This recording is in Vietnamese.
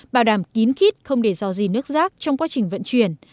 bảo đảm kín khít không để do gì nước rác trong quá trình vận chuyển